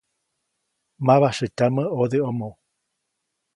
Mabasyätyamä ʼodeʼomo.